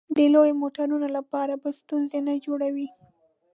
د لویو موټرو لپاره به ستونزې نه جوړوې.